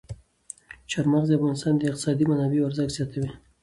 چار مغز د افغانستان د اقتصادي منابعو ارزښت زیاتوي.